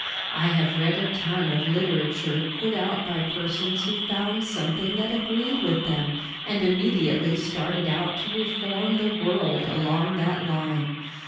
I have read a ton of literature put out by persons who found something that agreed with them and immediately started out to reform the world along that line.